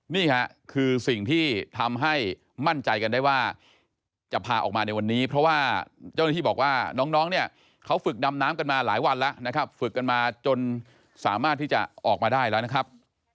นี่ค่ะคือสิ่งที่ทำให้มั่นใจกันได้ว่าจะพาออกมาในวันนี้เพราะว่าเจ้าหน้าที่บอกว่าน้องเนี่ยเขาฝึกดำน้ำกันมาหลายวันแล้วนะครับฝึกกันมาจนสามารถที่จะออกมาได้แล้วนะครับ